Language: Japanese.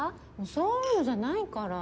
そういうのじゃないから。